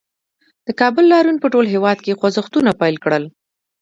د کابل لاریون په ټول هېواد کې خوځښتونه پیل کړل